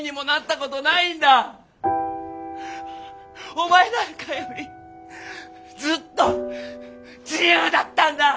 お前なんかよりずっと自由だったんだ！